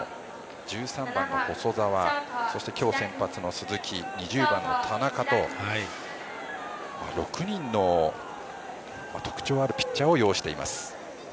１３番の細澤そして、今日、先発の鈴木２０番の田中と６人の特徴あるピッチャーを擁しています。